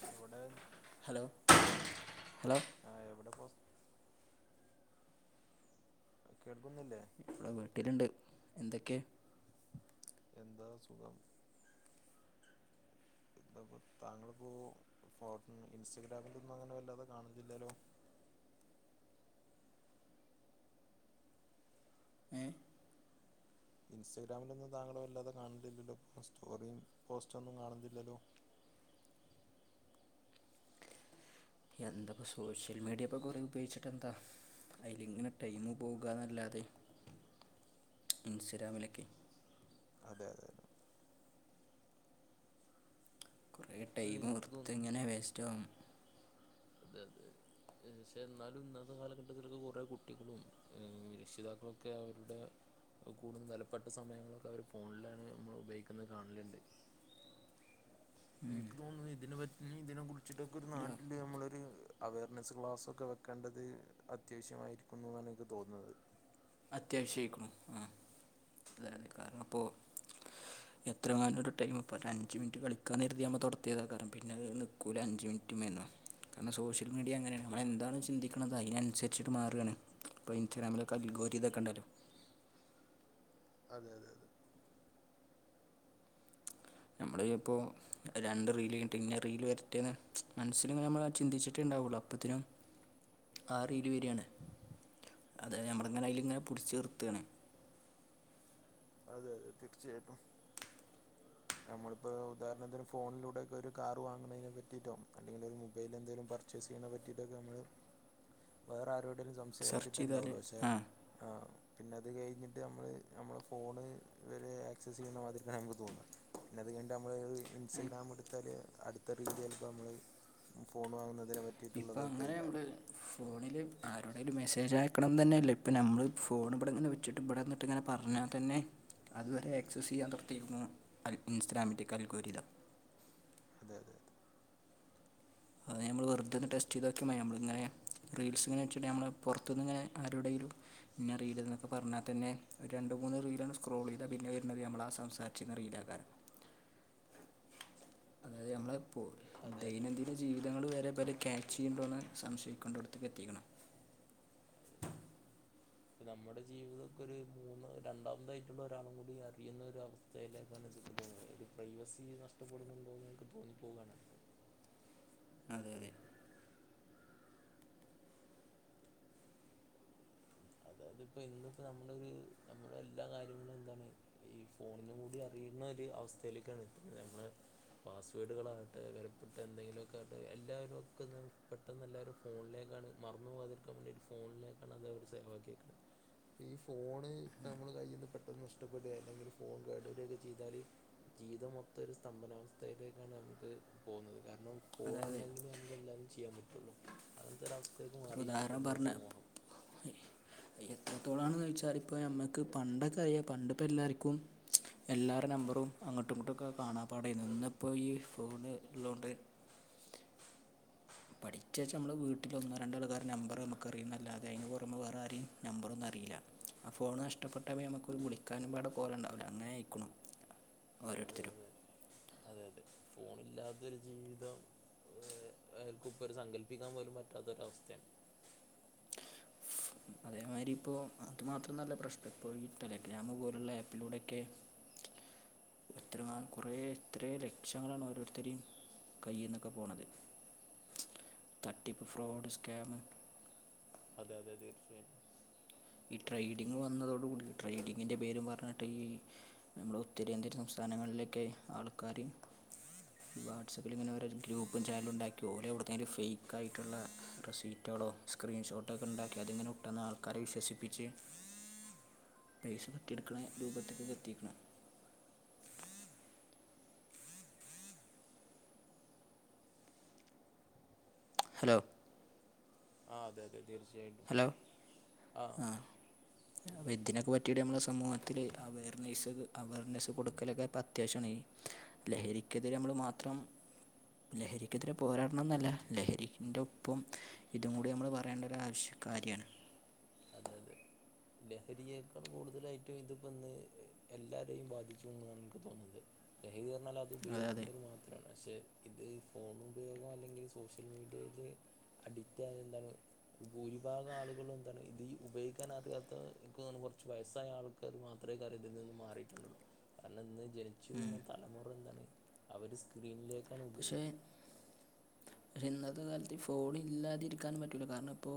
[unintelligible] hello hello ആഹ എവിടെ boss കേൾക്കുന്നില്ലേ ഇവിടെ വീട്ടിലുണ്ട് എന്തൊക്കെയ എന്താ സുഖം ഇന്താപ്പോ താങ്കളിപ്പോ ഇൻസ്റ്റാഗ്രാമിലൊന്നും അങ്ങനെ വല്ലാതെ കാണുന്നില്ലല്ലോ ഏ ഇൻസ്റ്റാഗ്രാിലൊന്നും താങ്കളെ വല്ലാതെ കാണുന്നില്ലല്ലോ ഇപ്പോ സ്റ്റോറിയും പോസ്റ്റൊന്നും കാണുന്നില്ലല്ലോ എന്ത ഇപ്പോൾ സോഷ്യൽ മീഡിയ ഇപ്പോൾ കുറേ ഉപയോഗിച്ചിട്ട് എന്താ അതിൽ ഇങ്ങനെ ടൈമ പോവന്നല്ലാതെ ഇൻസ്റ്റഗ്രാമിലൊക്കെ അതെ അതെ കുറേ ഇപ്പൊ ടൈം എനിക്ക് വെറുതെ തോന്നുന്നു ഇങ്ങനെ വേസ്റ്റാക്കും അതെ അതെ ക്ഷേ എന്നാലും ഇന്നത്തെ കാലഘട്ടത്തിലൊക്കെ കുറേ കുട്ടികളും രക്ഷിതാക്കളൊക്കെ അവരുടെ കൂടുതും വെലപ്പെട്ട സമയങ്ങളൊക്കെ അവർ ഫോണിലാണ് നമ്മൾ ഉപയോഗിക്കുന്നത് കാണലുണ്ട് എനിക്ക് തോന്നുന്നു ഇതിനെ പറ്റി ഇതിനെ കുറിച്ചിട്ടൊക്കെ ഒരു നാട്ടില് നമ്മളരു അവെയർനെസ്സ് ക്ലാസ്സ ഒക്കെ വെക്കേണ്ടത് അത്യാവശ്യമായിരിക്കുന്നു എന്നാണ് എനിക്ക് തോന്നുന്നത് അത്യാവശ്യമായിക്കു ആ അത അതെ കാരണം അപ്പോൾ എത്ര [unintelligible] ഒരു ടൈം ഇപ്പോ അഞ്ച് മിനിറ്റ് കളിക്കാത് തൊടാതിയെതേക്കാരം പിന്നെത് നിൽക്കൂല് ഒരു അഞ്ച് മിനിറ്റ് മെന്നു കാരണം സോഷ്യൽ മീഡിയ അങ്ങനെയാണ് നമ്മളെന്താണ് ചിന്തിക്കുന്നത് അതിനനുസരിച്ചിട്ട് മാറാണ് ഇപ്പ ഇൻസ്റ്റഗാമിലൊെൽഗോരി ഇതക്കെ ഉണ്ടല്ലോ അഹ് കേൾക്കണ്ട് നമ്മുടെ ഇപ്പോ രണ്ട് റീൽ [unintelligible] ഇങ്ങനെ റീൽ വരട്ടെന്ന് മനസ്സൽ ഇങ്ങനെ നമ്മൾ ചിന്തിച്ചിട്ടേ ഉണ്ടാവുള്ളൂ അപ്പോ അപ്പോത്തിനും ആഹ് റീൽ വരാണ് അതെ നമ്മള ഇങ്ങനെ അയ്ലിങ്ങനെ പിടിച്ച് നിർത്തണ് അതെ അതെ തീർച്ചയായിട്ടും നമ്മളിപ്പോ ഉദാഹരാണം ഫോണിലൂടെ ഒരു കാർ വാങ്ങണതിനെ പറ്റിയിട്ടോ അല്ലെങ്കിൽ ഒരു മൊബൈൽ എന്തെലും ചസിനെപറ്റയിട്ടൊക്കെമ്മള് വേറെ ആരോടെങ്കിലും സം സെർച്ച് ചെയ്താല് ആ പിന്നെ അത് കഴിഞ്ഞിട്ട് നമ്മള് നമ്മള് ഫോൺ വരെ ആക്സസ് ചെയ്യണ മാതിരി നമുക്ക് തോന്നാം പിന്നെ അത് കയിഞ്ഞട്ട് നമ്മള ഒരു ഇൻസ്റ്റാഗ്രാം എടുത്താല് അടുത്ത റീൽ ചെലപ്പോ നമ്മൾ ഫോൺ വാങ്ങുന്നതിനെ ഇപ്പം പറ്റിയിട്ടുള്ളതേ അങ്ങനെ നമ്മൾ കൈകാര്യം ഫോണിൽ ആരുടെേങ്കും മെസ്സേജ് ആക്കണം തന്നെയല്ല ഇപ്പം നമ്മൾ ഫോൺ ഇവിടെ ഇങ്ങനെ വച്ചിട്ട് ഇവിടെന്നിട്ട് ഇങ്ങനെ പറഞ്ഞാൽ തന്നെ അതുവരെ ആക്സസ് ചെയ്യാൻ തൊടത്തിരിക്കുന്നു അ ഇൻസ്റ്റഗ്രാമിൽഅൽഗോരിതം അതെ അത് നമ്മൾ വെറുതൊന്ന് ടെസ്റ്റ്താക്കക്ക മതി നമ്മിങ്ങനെ റീസ്ങ്ങനെ വെച്ചിട്ട് നമ്മൾ പോർത്ത്ന്ന് ആരോടെങ്കിലും പിന്നെ റീൽ എന്നൊക്കെ പറഞ്ഞാൽ തന്നെ ഒരു രണ്ട് മൂന്ന് റീലാണ്ണ് സ്ക്രോൾ ചെയ്തത് പിന്നെ വരുന്നത് നമ്മൾ ആ സംസാച്ചരിക്കുന്ന റീലാകാരം അതായത് നമ്മളപ്പോ അതെ അതെ ദൈനംദിന ജീവിതങ്ങൾ വരെ പല ക്യാച്ച് ചെയ്യുന്നുണ്ടോന്ന് സംശയിക്ക കൊണ്ടടാത്ക്ക് എത്തിക്കണം നമ്മുടെ ജീവിതക്കൊ ഒരു മൂന്ന് രണ്ടാമതായിട്ടുള്ള ഒരാളും കൂടി അറിയുന്നൊര അവസ്ഥ ലേക്കാണ് ഇതൊക്കെ തോന്നുന്നത് ഒരു പ്രൈവസി നഷ്ടപ്പെടുന്നുണ്ടോ എന്ന് എനിക്ക് തോന്നിപ്പോവുകയാണ് ഇടക്ക് അതെ അതെ അതായത് ഇപ്പോ ഇന്ന്പ്പോ നമ്മള് ഒരു നമ്മുടെ എല്ലാ കാര്യങ്ങളും എന്താണ് ഈ ഫോണിനും കൂടി അറിയുന്ന ഒരു അവസ്ഥയിലേക്കാണ് എത്തുന്നത് നമ്മള് പാസ്വേഡുകളാകട്ടെ വിലപ്പെട്ട് എന്തെങ്കിലുമൊക്കെ ആകട്ടെ എല്ലാവരും ഒക്കെ ഒന്ന് പെട്ടെന്നല്ലാവരും ഫോണിലേക്കാണ് മറന്നു പോകാതിരിക്കാൻ വേണ്ടി ഫോണിലേക്കാണ് അത് അവർ സേവാക്കിയേക്കണത് ഈ ഫോൺ നമ്മള കയ്യിന്ന് പെട്ടെന്ന് നഷ്ടപ്പെടുകയല്ലെങ്കിൽ ഫോൺ കേടുവരുകയൊക്കെ ചെയ്താൽ ജീവിതം മൊത്തം ഒരു സ്തംഭനാവസ്ഥയിലേക്കാണ് നമുക്ക് പോകുന്നത് കാരണം അതായത് പോണുണ്ടെങ്കിലെ നമുക്ക് എല്ലാം ചെയ്യാൻ പറ്റുള്ളൂ അങ്ങനത്തെ ഒരവസ്ഥയേക്ക് ഒരു മാറിയിട്ടുണ്ട് ഇന്ന് സമൂഹം എത്രത്തോളണന്ന് ചോയിച്ചാൽ ഇപ്പ നമ്മക്ക് പണ്ടൊക്കെ അയാ പണ്ട് ഇപ്പ എല്ലാർക്കും എല്ലാവരടെ നമ്പറും അങ്ങോട്ടും ഇങ്ങോട്ടുമക്കെ കാണാപാടം ആയിരുന്നു ഇന്നിപ്പോ ഈ ഫോൺ ഉള്ളോണ്ട് പഠിച്ച് വെച്ച നമ്മൾ വീട്ടിലൊന്നോ രണ്ട ആൾക്കാർ നമ്പർ നമുക്ക് അറിയും എന്നല്ലാതെ അതിനു പോറമേ വേറെ ആരെയും നമ്പറൊന്നും അറിയില്ല ഫോണ് നഷ്ടപ്പെട്ടാൽ പിന്നെ നമുക്ക് വിളിക്കാനും പാട് കോൾ ഉണ്ടാവില്ല അങ്ങനെ അയക്കും അതെ ഓരോരുത്തരും അതെ അതെ അതെ ഫോണില്ലാത്തൊരു ജീവിതം ആർക്കും ഇപ്പ ഒരു സങ്കല്പിക്കാൻ പോലും പറ്റാത്തൊരു അവസ്ഥയാണ് അതേമാതിരി ഇപ്പോ അതുമാത്രമൊന്നുമല്ല പ്രശ്നം ഇപ്പോൾ ഈ ടെലിഗ്രാം പോലുള്ള ആപ്പിലൂടെയൊക്കെ എത്ര ന കൊറെ എത്ര ലക്ഷങ്ങളാണ് ഓരോരുത്തര് കയ്യിൽന്നൊക്കെ പോണത് തട്ടിപ്പ് ഫ്രോഡ് സ്കാമ് അതെ അതെ അതെ തീർച്ചയായും ഈ ട്രേഡിങ്ങ് വന്നതോടുകൂടി ട്രേഡിങ്ങിൻ്റെ പേരും പറഞ്ഞിട്ട് ഈ നമ്മുടെ ഉത്തരേന്ത്യൻ സംസ്ഥാനങ്ങളിലേക്കെ ആൾക്കാര് വാട്സാപ്പിൽ ഇങ്ങനോര ഗ്രൂപ്പും ചാനലും ഉണ്ടാക്കി ഓരോ ആൾക്കാർ ഫേ്ക്ക ആയിട്ടുള്ള റസീറ്റുകളോ സ്ക്രീൻഷോട്ടക്കെ ഉണ്ടാക്കി അതിങ്ങനെട്ട് ആൾക്കാരെ വിശ്വസി പിച്ച് പൈസ തട്ടിയെടുക്കണ രൂപത്തിക്ക് എത്തിക്കണ് ഹലോ ആഹ് അതെ അതെ തീർച്ചയായിട്ടും ആഹ് ആഹ് വേത്തിനേക്കെപറ്റിയിട്ട് നമ്മുടെ സമൂഹത്തില് അവർനെസ് അവർനെസ് കൊടുക്കലൊക്കെ ഇപ്പ അത്യാവശ്യമാണ് ലഹരിക്കെതിരെ നമ്മൾ മാത്രം ലഹരിക്കെതിരെ പോരാടണം എന്നല്ല ലഹരിന്റെ ഒപ്പം ഇതും കൂടി നമ്മൾ പറയേണ്ട ഒരാശ് കാര്യണ് അതെ അതെ ലഹരിയേക്കാൾ കൂടുതലായിട്ടും ഇതിപ്പന്ന് എല്ലാരെയും ബാധിച്ചു എന്നാണ് എനിക്ക് തോന്നുന്നത് ലഹീന്ന് പറഞ്ഞാൽ അത് അതെ അതെ ഉപയോഗിക്കുന്നവരു മാത്രണ് പക്ഷെ ഇത് ഫോൺ ഉപയോഗം അല്ലെങ്കിൽ സോഷ്യൽ മീഡിയയിൽ അഡിക്റ്റ് ആയത് എന്താണ് ഭൂരിഭാഗം ആളുകളും ഇത് ഈ ഉപയോഗിക്കാൻ അറിയാത്ത എനിക്ക് തോന്നുന്ന് കൊറച്ച് വയസ്സായ ആൾക്കാർ മാത്രമേ കറിതിൽ നിന്ന് മാറിയിട്ടുള്ളു കാരണം ഇന്ന് ജനിച്ചു വീണ തലമുറ എന്താണ് അവര് സ്ക്രീനിലേക്കാ നോകുന്നത് പക്ഷേ ഇന്നത്തെ കാലത്ത് ഈ ഫോൺ ഇല്ലാതിരിക്കനും പറ്റൂല കാരണം ഇപ്പോ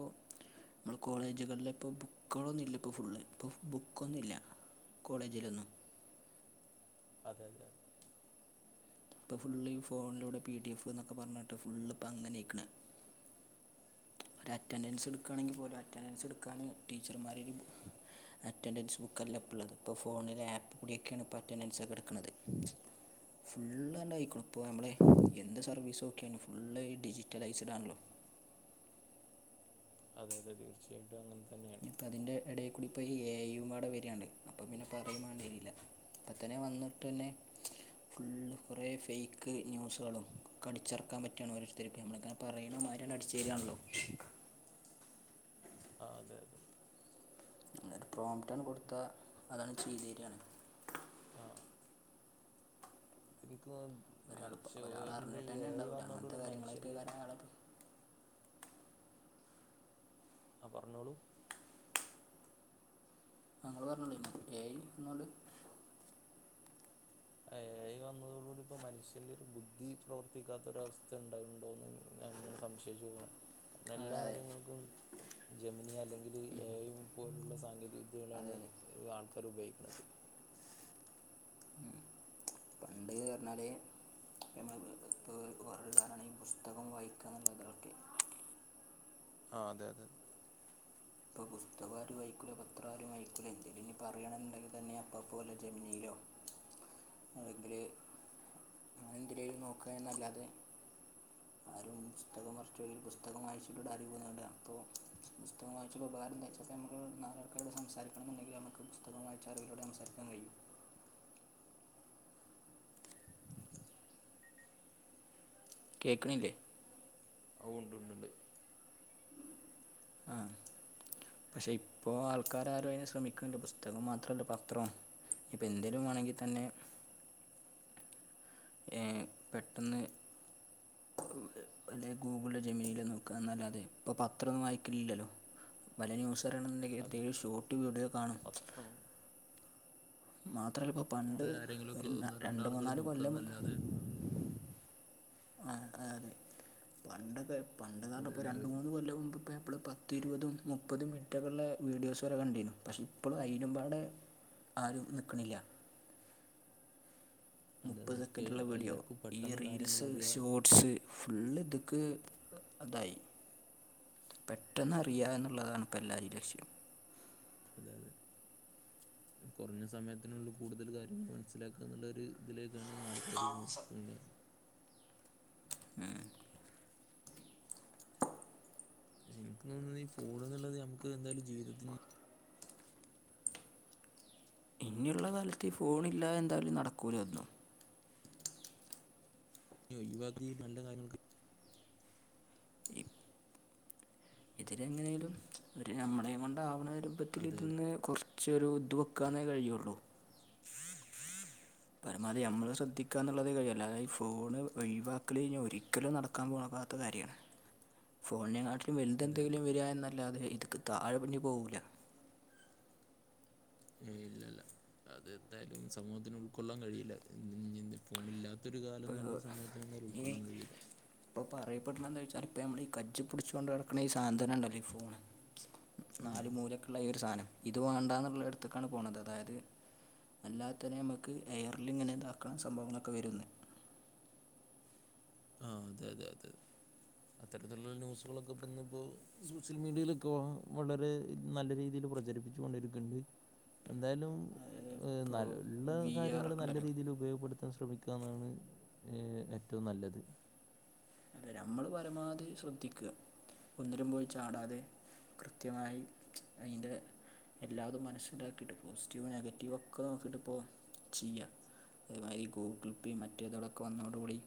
കോളേജുകളിൽ ഇപ്പോ ബുക്കുകളൊന്നുല്ല ഇപ്പോ ഫുള്ള് ഇപ്പ ബുക്കൊന്നുമില്ല കോളേജിൽ ഒന്നും അതെ അല്ലേ ഇപ്പ ഫുൾ ഫോണിലൂടെ പി ഡി എഫ് എന്നൊക്കെ പറഞ്ഞിട്ട് ഫുൾ ഇപ്പ അങ്ങനെക്കാണ് ഒരു അറ്റൻഡൻസ് എടുക്കുകയാണെങ്കിൽ പോലും അറ്റൻഡൻസ് എടുക്കാൻ ടീച്ചർമാർ അറ്റൻഡൻസ് ബുക്കല്ല പ്പള്ളത് ഇപ്പ ഫോണിലെ ആപ്പ് കൂടിയൊക്കെയാണ് ഇപ്പ അറ്റൻഡൻസ് ഒക്കെ എടുക്ക്‌ണത് [unintelligible] ഇപ്പ നമ്മളെ എന്ത് സർവീസക്കെ ഫുൾ ഈ ഡിജിറ്റലൈസ്ഡ് ആണല്ലോ അത അതെ തീർച്ചയായിട്ടും അങ്ങൻ തന്നെ ഇപ്പ അതിൻ്റെ ഇടയിക്കൂടി ഇപ്പോ ഈ എ ഐ യും പാടെ വരാണ് അപ്പം പിന്നെ പറയും മാണ്ടി വര്ല്ല ഇതന്നെ വന്ന്ട്ടന്നെ ഫുള്ള് കുറെ ഫെയ്ക്ക് ന്യൂസുകളും ഒക്കെ അടിച്ചർക്കാൻ പറ്റാണ് ഓരോര്ത്തര്ക്ക്‌ നമ്മളെ ക പറിണ മാരി ആണ്ട് അടിച്ചരാണല്ലോ ആ അതെ പ്രൊമ്റ്റാണ്ട് കൊട്ത്ത അതാണ് ചെയ്തേരാണ് ഇൻക്കു [unintelligible] ഒരാൾ ഒരാൾ മനുശ്യോന്റെ അറിഞ്ഞിട്ട് തന്നെ ഏ ഐ ഉണ്ടാവില്ല അങ്ങനത്തെ വന്നോണ്ടൂള്ള കാര്യങ്ങളൊക്കെ മനുഷ്യന്റെ കാരണം അയാൾ ആ പറഞ്ഞോളൂ ആ ഇങ്ങള് പർഞ്ഞോളി ഏ ഐ വന്നോണ്ട് എ ഐ വന്നതോട് കൂടി ഇപ്പം മനുഷ്യന്റെ ഒരു ബുദ്ധി പ്രവർത്തിക്കാത്ത ഒരവസ്ഥ ഇണ്ടായിണ്ടോന്ന് ഞാൻങ്ങനെ സംശയിച്ചു പോവാണ് കാരണം അതെ എല്ലാ അതെ കാര്യങ്ങൾക്കും ജമിനിയ അല്ലെങ്കില് ഏ ഐ പോലുള്ള സാങ്കേതിക അതെ വിദ്യകളാണ് ആൾക്കാര് ഉപയോഗിക്ക്‌ണത് [unintelligible] പർഞ്ഞാല് നമ്മളെ [unintelligible] പുസ്തകം വായിക്കന്നുള്ളതിനൊക്കെ ആ അതെ അതെ ഇപ്പ പുസ്ത രു വായിക്കൂല പത്രം ആരും വായിക്കൂല എന്തിനിഞ്ഞി പറയാണന്നുണ്ടെങ്കി തന്നെ അപ്പപ്പൊല്ലെ ജമിനയിലോ അഹ്‌ന്തിലെ അഎന്തിലേലും നോക്കാഎന്നല്ലാതെ ആരും പുസ്തകം മർച്ചോകി പുസ്തകം വായിച്ചിട്ടുണ്ട് ആരങ്കി [unintelligible] അപ്പൊ പുസ്തകം വാ ഉപകാരം എന്താച്ച പ്പം ഞമ്മക്ക് നാലാൾക്കാരോട് സംസാരിക്കണന്നുണ്ടങ്കിൽ നമ്മക്ക് പുസ്തകം വായിച്ച ഓലോട് സംസാരിക്കാൻ കഴിയും കേക്ക്ണില്ലേ ഔ ണ്ടുണ്ട്ണ്ട് ആഹ് പക്ഷെ ഇപ്പോ ആൾക്കാരാരു അയിന് ശ്രമിക്ക്ണ്ട് പുസ്തകം മാത്രല്ല പത്രോ ഇപ്പ എന്തേലും വാണങ്കി തന്നെ ഏഹ് പെട്ടെന്ന് ബല്ല ഗൂഗ്ൾലൊ ജമിനീലൊ നോക്കാന്നാല്ലാതെ ഇപ്പൊ പത്രൊന്നും വായിക്കൽല്ലല്ലോ പലെ ന്യൂസറയണെന്ന്ണ്ടങ്കില് അതെ ടിവി ശോട്ട് വീഡിയോ കാണും പത്രം മാത്രല്ല ഇപ്പോ പണ്ട് ഒരു ആരെങ്കിലുമൊക്കെ ന ഒന്ന് രണ്ട് രണ്ടാളുകൾ മൂന്നാല് കൊല്ലം നോക്കുകന്നല്ലാതെ ആഹ് അതെ പണ്ടൊക്ക പണ്ട്ന്നർഞ്ഞ അതെ ഇപ്പ അതെ രണ്ട് അതെ മൂന്ന് കൊല്ലം മുമ്പ്പ്പെപ്പളും പ ത്തി ഇരുപതും മുപ്പതും മിൻറ്റൊക്കെള്ളേ വീഡിയോസ് വരെ കണ്ടീനു പക്ഷേ ഇപ്പളും അയിനുംപാടെ ആരും നിക്ക്ണില്ല അതെ മുപ്പത് ഒക്കെ സെക്കൻഡുള്ള വീഡിയോ എല്ലാവർക്കും ഈ പെട്ടെന്ന് കാര്യങ്ങൾ റീൽസ് അറിയാം ഷോ സ് ഫുള്ള്തക്ക്‌ അതായി പെട്ടെന്ന് അറിയ എന്നുള്ളതാണ് ഇപ്പ എല്ലാരിം ലക്ഷ്യം അതെ അതെ കൊർഞ്ഞ സമയത്തിനുള്ള് കൂടുതല് കാര്യങ്ങള് മൻസ്സിലാക്കാന്നുള്ളൊര് ഇത് ലേക്കാണ് ആള് [unintelligible] ഉം പക്ഷെ ഇൻക്ക് തോന്നുന്നത് ഈ ഫോണ്ന്ന്ള്ളത് നമുക്ക് എന്തായാലും ജീവിതത്തിന് ഇഞ്ഞിള്ള കാലത്ത് ഫോണ്ല്ലാ എന്തായാലും നടക്കൂല ഒന്നും യൊ ഒഴിവാക്കി നല്ല കാര്യങ്ങൾക്ക് ഇതിരേങ്ങനെയാലും ഒരു നമ്മളെ കൊണ്ടാവ്ണ രൂപത്തില് അതെ അതെ ഇതീന്ന് കൊർ ച്ചൊരു ഇത് വെക്കാനേ കഴിയൊള്ളു പരമാവധി നമ്മള് ശ്രദ്ധിക്കന്ന്ള്ളതേ കഴിയു അല്ലാതെ ഈ ഫോണ് ഒഴിവാക്കലഴിഞ്ഞാ ഒരിക്കലും നടക്കാൻ പോകാത്ത കാര്യാണ് ഫോണിനെങ്ങാട്ടിലും അതെ അതെ വലുതെന്തെങ്കിലും അതെ വരികയല്ലാതെ എന്നല്ലാതെ ഇത്ക്ക് താഴെപ്പഞ്ഞി പോവൂല ഏയ്‌ ഇല്ലല്ല അതെന്തായാലും സമൂഹത്തിന് ഉൾക്കൊള്ളാൻ കഴിയില്ല ഇങ്ങനെ ഫോണില്ലാതെ ഇ ത്തൊരു ഇപ്പോൾ കാലംന്നുള്ളത് സമൂത്തിന് എന്തായാലും ഉൾക്കൊള്ളാൻ കഴയില്ല ഇപ്പൊ പറയപ്പെടണ എന്താ വെയ്‌ച്ചാല് ഇപ്പ നമ്മള് ഈ കയ്യിൽ പിടിച്ചു കൊണ്ട് നടക്കുന്ന ഈ സാദനം തന്നെ ഉണ്ടല്ലോ ഈ ഫോൺ ഉം നാല് മൂലക്ക്ള്ള ഈ ഒരു സാദനം ഇത് വേണ്ട എന്നുള്ളദോത്തെക്കാണ് പോണത് അതായത് അല്ലാതെതിനേ നമ്മക്ക് എയർലിങ്ങനെ ഇതാക്കണം സംഭവങ്ങളൊക്കെ വെരുഇന്ന് ആഹ് അതെ അതെ അതെ അത്തരത്തിലുള്ള ന്യൂസുകളൊക്കെപ്പം ഇന്ന്പ്പോൾ സോഷ്യൽ മീഡിയിൽ ഇപ്പോ വളരെ നല്ല രീതിയിലു പ്രചരിപ്പിച്ചു കൊണ്ടിരിക്ക്ണ്ട് എന്തായാലും അതായത് ഏഹ് ഇപ്പോൾ നല്ല വി ആർ കാര്യങ്ങള് ഒക്കെ നല്ല ഉണ്ടല്ലോ രീതിയിൽ ഉപയോഗപ്പെടുത്തുക എത്താൻ ശ്രമിക്കാന്നാണ് ഏഹ് ഏറ്റവും നല്ലത് നമ്മള് പരമാവധി ശ്രദ്ധിക്ക ഒന്നിലും പോയി ചാടാതെ കൃത്യമായി അയിൻ്റെ എല്ലാതും മനസ്സിലാക്കിട്ട് പോസിറ്റീവ് നെഗറ്റീവൊക്കെ നോക്കിട്ട്പ്പോ ചെയ്യാ അതിൽ ഗൂഗിൾപേ മറ്റേ ഇതാളൊക്കെ വന്നോടുകൂടി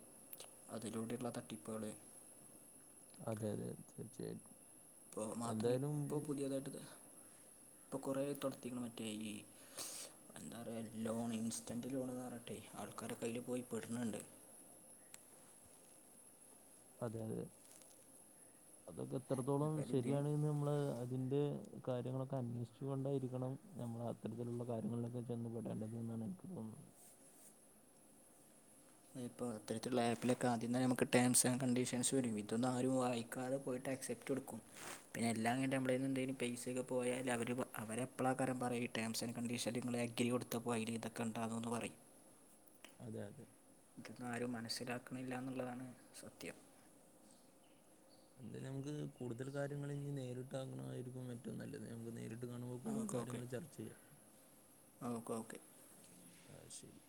അതിലൂടെള്ള തട്ടിപ്പുകള് അതെ അതെ തീർച്ചയായിട്ടും ഇപ്പോ മാത്രല്ല എന്തായാലും ഇപ്പോപുതിയതായിട്ട് ഇ പ്പോ കൊറേ തൊടത്തീക്ക്ന് എ ഇ എന്താ അറിയോ ലോൺ ഇൻസ്റ്റന്റ് ലോണ്ന്നറിഞ്ഞ്ടട്ട് ആൾക്കാർ ആണ് പോയി പെടുന്നത് അതെ അതെ അതൊക്കെ എത്രത്തോളം എന്തായാലും ഇതിന് ശരിയാണ് എന്ന് നമ്മള് അതിൻ്റെ കാര്യങ്ങളൊക്കെ അന്വേഷിച്ചു കൊണ്ടായിരിക്കണം നമ്മൾ അത്തരത്തിലുള്ള കാര്യങ്ങൾ ഒക്കെ അന്വേഷിച്ചു കൊണ്ടേ ഇരിക്കണം എനിക്ക് തോന്നുന്നത് ഇപ്പോ അത്തരത്തിലുള്ള ആപ്പിലൊക്കെ ആദ്യം തന്നെ നമുക്ക് ടേംസ് ആൻഡ് കണ്ടീഷൻസ് വെരൂ ഇതൊന്നും ആരും വായിക്കാതെ പോയിട്ട് ആക്സെപെക്റ്റ് റ്റൊടുക്കും പിന്നെ എല്ലാം കഴിഞ്ഞിട്ട് ഞമ്മളേന്ന് എന്തെലും പൈസൊക്കെ പോയാൽ അവര് അവർ അപ്പോൾ നമ്മളെ പറയും ടേംസ് ആൻഡ് കണ്ടീഷൻ നിങ്ങള് അഗ്രി കൊടുത്തപ്പോ അയില് ഇതൊക്കെ ഉണ്ടായിരുന്നുഎന്ന് പറയും അതെ അതെ ആരും മനസ്സിലാക്കണില്ലന്നുള്ളതാണ് സത്യം ഇ ത് നമുക്ക് കൂടുതൽ കാര്യങ്ങൾ നേരിട്ടാക്കണമായിരിക്കും മെന്നു എ റ്റവും നല്ലത് നമുക്ക് നേരിട്ട് കാണുമ്പോ കൂടുതൽ കാര്യങ്ങൾ ചർച്ച ചെയ്യാം ഓക്കോക്കെ ആഹ് ശരി